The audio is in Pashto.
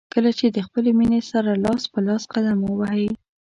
کله چې د خپلې مینې سره لاس په لاس قدم ووهئ.